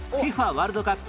ワールドカップ